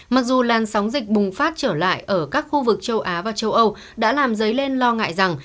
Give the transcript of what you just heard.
mặc dù làn sóng dịch bùng phát trở lại ở các khu vực châu á và châu âu đã làm dấy lên lo ngại rằng